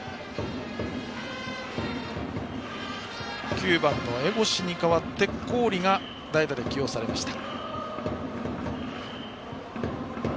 ９番の江越に代わって、郡が代打で起用されました。